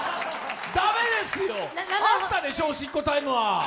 駄目ですよ、あったでしょ、おしっこタイムは。